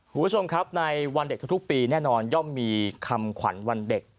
คุณผู้ชมครับในวันเด็กทุกปีแน่นอนย่อมมีคำขวัญวันเด็ก